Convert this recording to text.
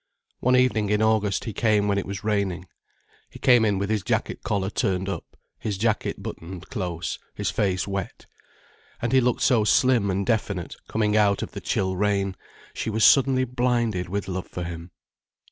One evening in August he came when it was raining. He came in with his jacket collar turned up, his jacket buttoned close, his face wet. And he looked so slim and definite, coming out of the chill rain, she was suddenly blinded with love for him.